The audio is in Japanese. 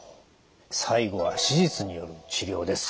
最後は手術による治療です。